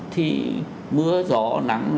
thì mưa gió nắng